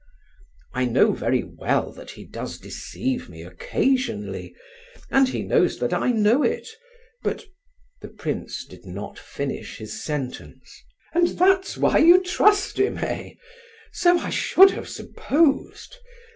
"I know very well that he does deceive me occasionally, and he knows that I know it, but—" The prince did not finish his sentence. "And that's why you trust him, eh? So I should have supposed.